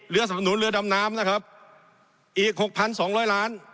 สนุนเรือดำน้ำนะครับอีกหกพันสองร้อยล้าน